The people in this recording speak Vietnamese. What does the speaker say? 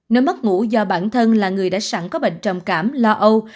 nếu mất ngủ do bản thân là người đã sẵn có bệnh trầm cảm lo âu